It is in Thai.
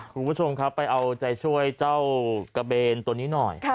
คุณผู้ชมครับไปเอาใจช่วยเจ้ากระเบนตัวนี้หน่อย